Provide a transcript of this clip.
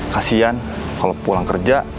kasian kalo pulang kerja